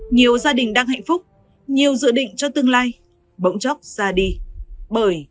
nhiều gia đình đang hạnh phúc nhiều dự định cho tương lai bỗng chóc ra đi bởi